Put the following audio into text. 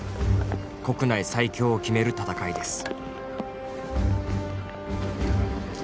国内最強を決める戦いです。